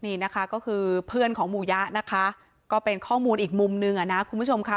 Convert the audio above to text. นี่นะคะก็คือเพื่อนของหมู่ยะนะคะก็เป็นข้อมูลอีกมุมนึงอ่ะนะคุณผู้ชมค่ะ